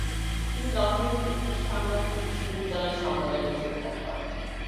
তিনি লন্ডনে ব্রিটিশ সাম্রাজ্য বিশ্ববিদ্যালয় সম্মেলনে যোগদান করেন।